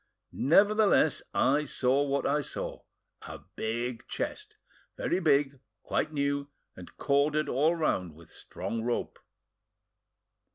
Nevertheless, I saw what I saw. A big chest, very big, quite new, and corded all round with strong rope."